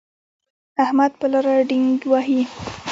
احمد په لاره ډینګګ وهي.